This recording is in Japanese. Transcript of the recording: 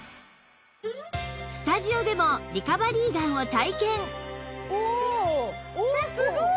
スタジオでもリカバリーガンを体験